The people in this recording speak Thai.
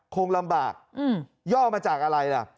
คงลำบากย่อมาจากอะไรล่ะ